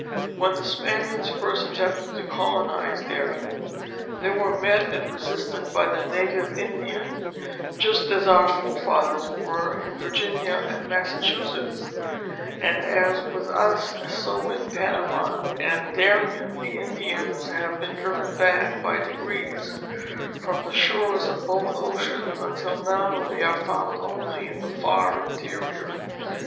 When the Spaniards first attempted to colonize Darien they were met and resisted by the native Indian just as our forefathers were in Virginia and Massa chusetts, and as with us so in Panama and Darien the Indians have been driven back by degrees fi'om the shores of both oceans until now they are found only in the far interior.